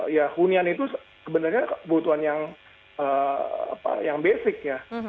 ya hunian itu sebenarnya kebutuhan yang basic ya